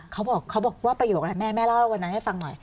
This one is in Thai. เขาบอกว่าประโยคอะไรแม่แม่เล่าวันนั้นให้ฟังหน่อย